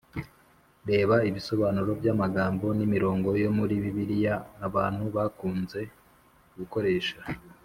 Reba ibisobanuro by’amagambo n’imirongo yo muri Bibiliya abantu bakunze gukoresha